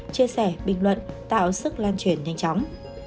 chia sẻ bình luận tạo sức lan truyền nhanh chóng